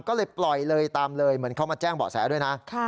ก็เลยปล่อยเลยตามเลยเหมือนเขามาแจ้งเบาะแสด้วยนะ